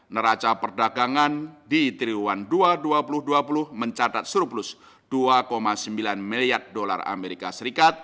neraca perdagangan di triwan dua ribu dua puluh mencatat surplus usd dua sembilan miliar